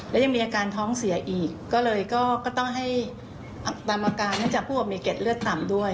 และยังมีอาการท้องเสียอีกก็เลยก็ต้องให้ตามอาการให้จับผู้มีเกร็ดเลือดต่ำด้วย